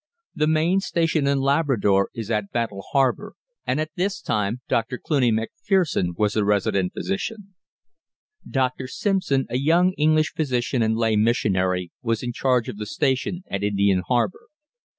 The main station in Labrador is at Battle Harbour, and at this time Dr. Cluny Macpherson was the resident physician. Dr. Simpson, a young English physician and lay missionary, was in charge of the station at Indian Harbour.